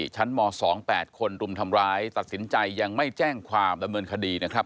ชั้นม๒๘คนรุมทำร้ายตัดสินใจยังไม่แจ้งความดำเนินคดีนะครับ